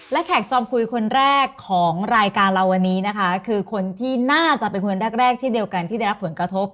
และแขกจอมคุยคนแรกของรายการเราวันนี้นะคะคือคนที่น่าจะเป็นคนแรกแรกเช่นเดียวกันที่ได้รับผลกระทบ